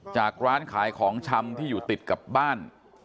ร้านขายของชำที่อยู่ติดกับบ้าน